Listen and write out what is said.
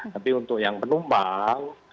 tapi untuk yang penumpang